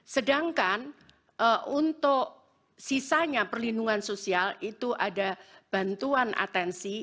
sedangkan untuk sisanya perlindungan sosial itu ada bantuan atensi